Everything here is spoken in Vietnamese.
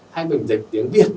hay mình dịch tiếng việt